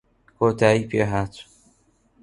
کۆتایی پێ هات